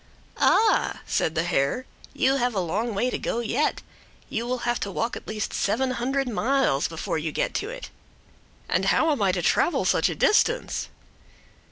"Ah," said the hare, "you have a long way to go yet. You will have to walk at least seven hundred miles before you get to it." "And how am I to travel such a distance?"